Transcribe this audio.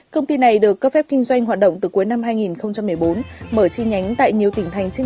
công ty này được cấp phép kinh doanh hoạt động từ cuối năm hai nghìn một mươi bốn mở chi nhánh tại nhiều tỉnh thành trên